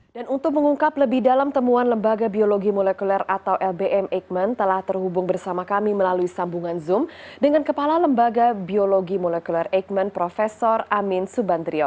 dan untuk mengungkap lebih dalam temuan lembaga biologi molekuler atau lbm eijkman telah terhubung bersama kami melalui sambungan zoom dengan kepala lembaga biologi molekuler eijkman prof amin subandrio